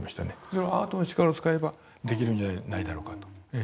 それはアートの力を使えばできるんじゃないだろうかと。